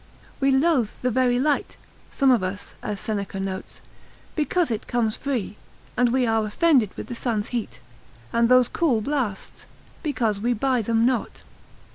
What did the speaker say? We loathe the very light (some of us, as Seneca notes) because it comes free, and we are offended with the sun's heat, and those cool blasts, because we buy them not.